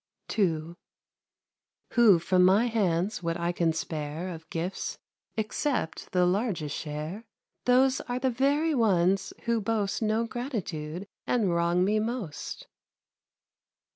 II Who from my hands what I can spare Of gifts accept the largest share, Those are the very ones who boast No gratitude and wrong me most.